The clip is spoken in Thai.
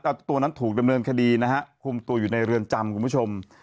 แล้วตัวนั้นถูกดำเนินคดีนะฮะคุมตัวอยู่ในเรือนจำคุณผู้ชม